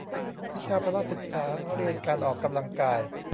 วิชาพละศึกษา เรียนการออกกำลังกาย